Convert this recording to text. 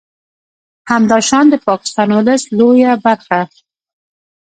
همداشان د پاکستان ولس لویه ب